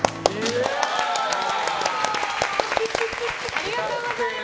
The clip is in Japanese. ありがとうございます。